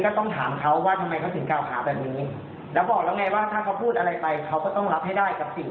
และบอกละไงก็ถ้าเขาพูดอะไรไปก็ต้องรับให้ได้กับสิ่งที่เจอเองพูดด้วย